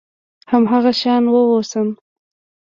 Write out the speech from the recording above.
هماغه شان واوسم .